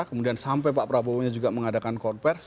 kemudian sampai pak prabowo juga mengadakan konvers